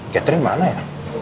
katerin mana ya